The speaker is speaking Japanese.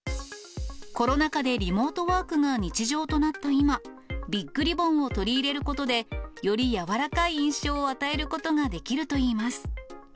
コロナ禍でリモートワークが日常となった今、ビッグリボンを取り入れることで、より柔らかい印象を与えることができるといいます。